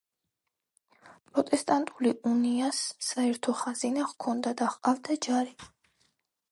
პროტესტანტული უნიას საერთო ხაზინა ჰქონდა და ჰყავდა ჯარი.